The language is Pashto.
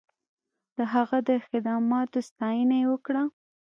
د هغه د خدماتو ستاینه یې وکړه.